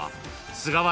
菅原